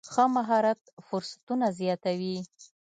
ښه مهارت فرصتونه زیاتوي.